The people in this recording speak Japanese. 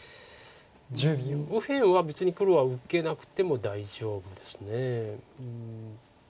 右辺は別に黒は受けなくても大丈夫です。